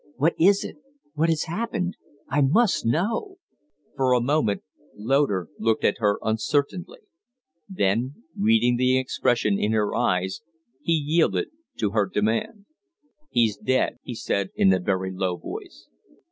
What is it? What has happened? I must know." For a moment Loder looked at her uncertainly; then, reading the expression in her eyes, he yielded to her demand. "He's dead," he said, in a very low voice.